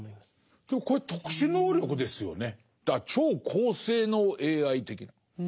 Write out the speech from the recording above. でもこれ特殊能力ですよね。